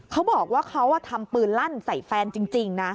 เขาบอกว่าเขาทำปืนลั่นใส่แฟนจริงนะ